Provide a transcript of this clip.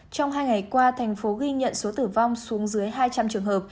trong hai ngày qua thành phố ghi nhận số tử vong xuống dưới hai trăm linh trường hợp